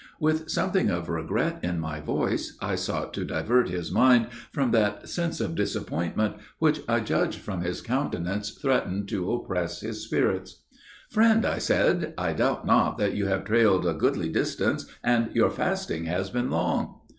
With something of regret in my voice, I sought to divert his mind from that sense of disappointment which I judged from his countenance threatened to oppress his spirits. "Friend," I said, "I doubt not that you have trailed a goodly distance, and your fasting has been long?"